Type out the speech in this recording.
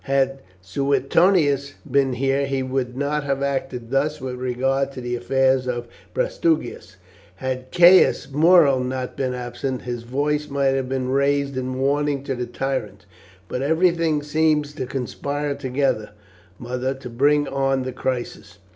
Had Suetonius been here he would not have acted thus with regard to the affairs of Prasutagus. Had Caius Muro not been absent his voice might have been raised in warning to the tyrant; but everything seems to conspire together, mother, to bring on the crisis."